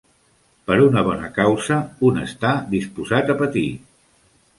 Per una bona causa, un està disposat a patir.